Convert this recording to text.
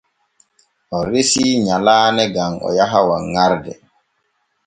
O resi nyalaane gam o yaha wanŋarde.